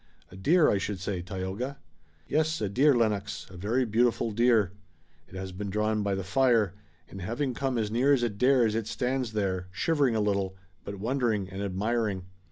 "A deer, I should say, Tayoga." "Yes, a deer, Lennox, a very beautiful deer. It has been drawn by the fire, and having come as near as it dares it stands there, shivering a little, but wondering and admiring."